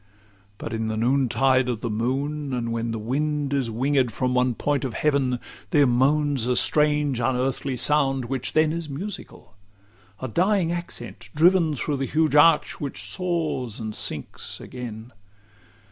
LXIII But in the noontide of the moon, and when The wind is wingéd from one point of heaven, There moans a strange unearthly sound, which then Is musical a dying accent driven Through the huge arch, which soars and sinks again.